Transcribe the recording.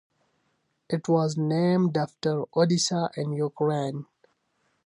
It was named after Odessa, in Ukraine.